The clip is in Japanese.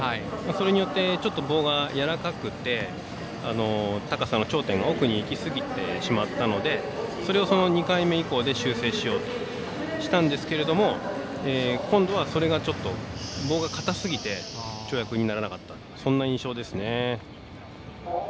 それによって、棒がちょっとやわらかくて、高さの頂点が奥にいきすぎてしまったのでそれを２回目以降で修正しようとしたんですけれども今度はそれがちょっと棒が硬すぎて跳躍にならなかったそんな印象ですね。